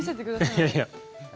いやいや。